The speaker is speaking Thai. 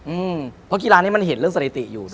อืมเพราะกีฬานี้มันเห็นเรื่องสถิติอยู่